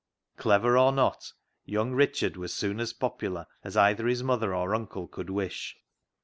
Clever or not, young Richard was soon as popular as either his mother or uncle could wish.